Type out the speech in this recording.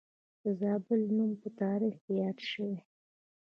د زابل نوم په تاریخ کې یاد شوی